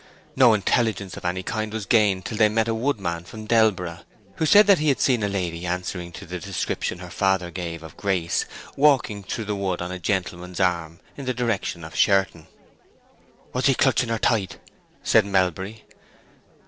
No intelligence of any kind was gained till they met a woodman of Delborough, who said that he had seen a lady answering to the description her father gave of Grace, walking through the wood on a gentleman's arm in the direction of Sherton. "Was he clutching her tight?" said Melbury.